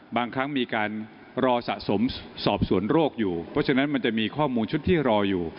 บางครั้งมีการรอสะสมสอบสวนโรคอยู่เพราะฉะนั้นมันจะมีข้อมูลชุดที่รออยู่